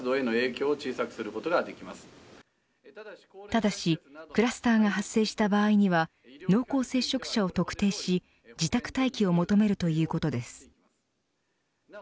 ただしクラスターが発生した場合には濃厚接触者を特定し自宅待機を求めるということです。